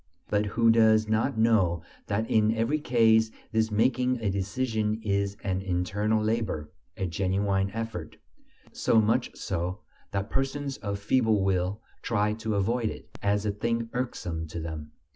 But who does not know that in every case this making a decision is an internal labor, a genuine effort; so much so that persons of feeble will try to avoid it, as a thing irksome to them.